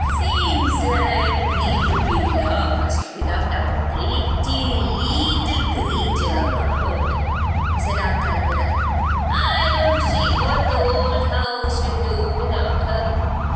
"Seems like we'd be lost without our pretty leetle creetur about," said Aunt Alvirah. "I don't see what the old house will do without her."